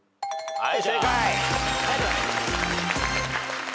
はい。